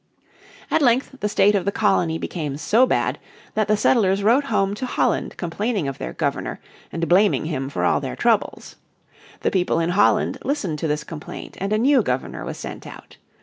At length the state of the colony became so bad that the settlers wrote home to Holland complaining of their Governor and blaming him for all their troubles. The people in Holland listened to this complaint and a new Governor was sent out.